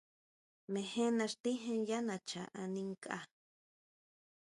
Mejena xtíjen yá nacha ani nkʼa.